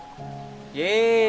udah siang bos